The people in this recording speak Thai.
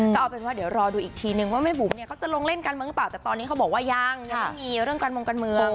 ก็เอาเป็นว่าเดี๋ยวรอดูอีกทีนึงว่าแม่บุ๋มเนี่ยเขาจะลงเล่นการเมืองหรือเปล่าแต่ตอนนี้เขาบอกว่ายังยังไม่มีเรื่องการมงการเมือง